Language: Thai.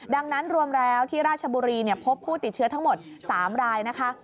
ดังนั้นรวมแล้วที่ราชบุรีพบผู้ติดเชื้อทั้งหมด๓รายนะคะ